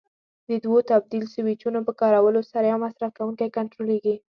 د دوو تبدیل سویچونو په کارولو سره یو مصرف کوونکی کنټرولېږي.